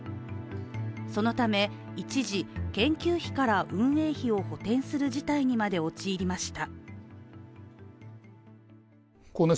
そのため、一時、研究費から運営費を補填する事態にまで陥りました。